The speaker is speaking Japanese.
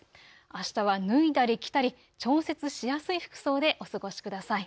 あしたは脱いだり着たり調節しやすい服装でお過ごしください。